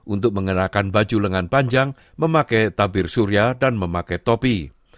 untuk mengenakan baju lengan panjang memakai tabir surya dan memakai topi